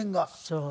そう。